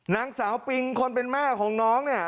นางสาวปิงคนเป็นแม่ของน้องเนี่ย